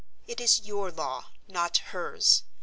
It is your law—not hers.